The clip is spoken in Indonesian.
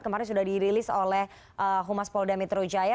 kemarin sudah dirilis oleh humas polda metro jaya